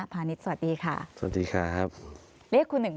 สวัสดีครับทุกคน